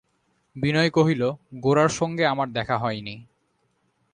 বিনয় কহিল, গোরার সঙ্গে আমার দেখা হয় নি।